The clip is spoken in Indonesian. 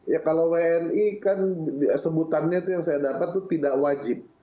ya kalau wni kan sebutannya itu yang saya dapat itu tidak wajib